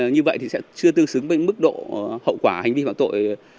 như vậy thì sẽ chưa tương xứng với mức độ hậu quả hành vi phạm tội